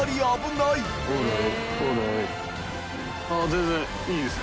全然いいです。